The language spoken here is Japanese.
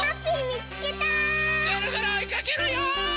ぐるぐるおいかけるよ！